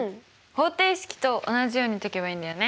方程式と同じように解けばいいんだよね。